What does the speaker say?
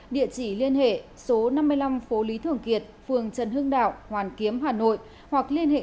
địa chỉ liên hệ số năm mươi năm phố lý thường kiệt phường trần hương đạo hoàn kiếm hà nội